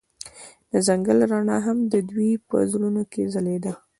د ځنګل رڼا هم د دوی په زړونو کې ځلېده.